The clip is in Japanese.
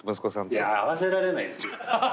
いや合わせられないですよ。